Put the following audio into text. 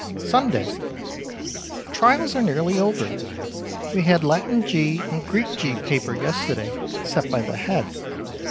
Sunday. Trials are nearly over. We had Latin G and Greek G paper yesterday (set by the Head).